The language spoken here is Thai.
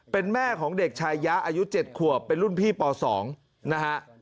เป็นแม่ของเด็กชายะอายุ๗ขวบเป็นรุ่นพี่ป๒นะฮะ